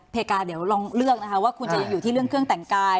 เพกาเดี๋ยวลองเลือกนะคะว่าคุณจะยังอยู่ที่เรื่องเครื่องแต่งกาย